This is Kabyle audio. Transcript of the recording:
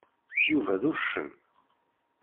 Yuba d uccen.